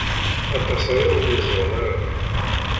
Aṭas aya ur myeẓren ara.